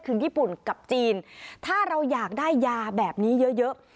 คือญี่ปุ่นกับจีนถ้าเราอยากได้ยาแบบนี้เยอะเยอะ